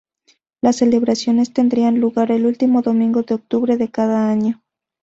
Las celebraciones tendrían lugar el último domingo de octubre de cada año.